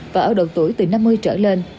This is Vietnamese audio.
và ở độ tuổi từ năm mươi trở lên